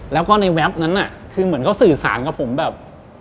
แล้วก็ในแวบนั้นคือเหมือนเขาสื่อสารกับผมแบบ